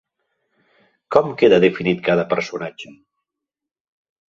Com queda definit cada personatge?